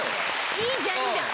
いいじゃんいいじゃん！